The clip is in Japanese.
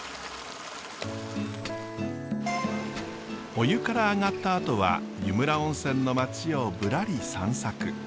お湯から上がったあとは湯村温泉の町をぶらり散策。